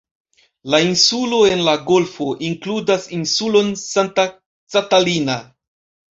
La insuloj en la golfo inkludas insulon Santa Catalina.